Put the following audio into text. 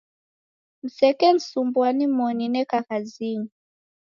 Msekensumbua nimoni neka kazinyi.